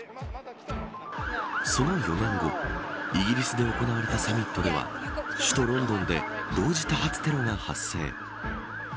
その４年後イギリスで行われたサミットでは首都ロンドンで同時多発テロが発生。